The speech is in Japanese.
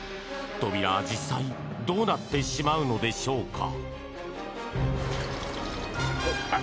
扉は実際どうなってしまうのでしょうか？